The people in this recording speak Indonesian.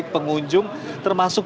secara dasar untuk memper defect